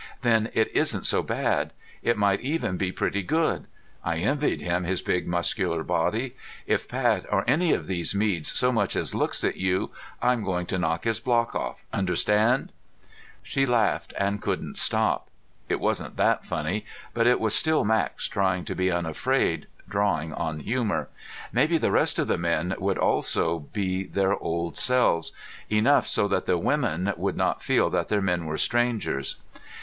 "Then it isn't so bad. It might even be pretty good. I envied him this big, muscular body. If Pat or any of these Meads so much as looks at you, I'm going to knock his block off. Understand?" She laughed and couldn't stop. It wasn't that funny. But it was still Max, trying to be unafraid, drawing on humor. Maybe the rest of the men would also be their old selves, enough so the women would not feel that their men were strangers.